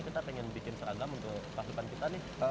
kita pengen bikin seragam untuk pasukan kita nih